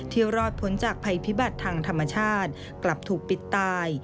รอดพ้นจากภัยพิบัติทางธรรมชาติกลับถูกปิดตาย